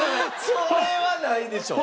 それはないでしょ。